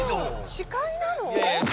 司会なの？